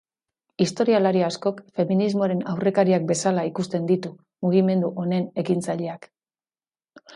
Historialari askok feminismoaren aurrekariak bezala ikusten ditu mugimendu honen ekintzaileak.